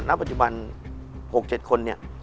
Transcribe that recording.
ณปัจจุบัน๖๗คน